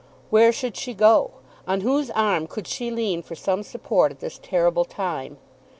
Where should she go? On whose arm could she lean for some support at this terrible time?